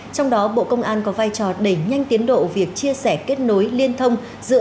trong đó bộ công an có vai trò đẩy nhanh tiến độ việc chia sẻ kết nối liên thông giữa